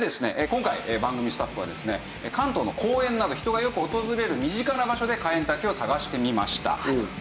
今回番組スタッフはですね関東の公園など人がよく訪れる身近な場所でカエンタケを探してみました。